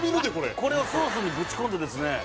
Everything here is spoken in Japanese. これをソースにぶち込んでですね